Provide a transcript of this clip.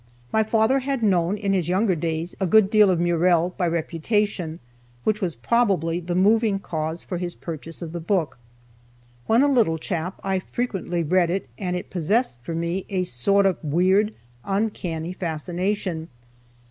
My father had known, in his younger days, a good deal of Murrell by reputation, which was probably the moving cause for his purchase of the book. When a little chap I frequently read it and it possessed for me a sort of weird, uncanny fascination.